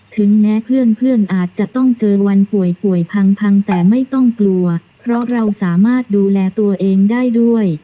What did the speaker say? ถึงแม้เพื่อนอาจจะต้องเจอวันป่วยป่วยพังแต่ไม่ต้องกลัวเพราะเราสามารถดูแลตัวเองได้ด้วย